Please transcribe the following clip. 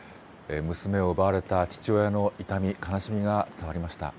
娘を奪われた父親の痛み、悲しみが伝わりました。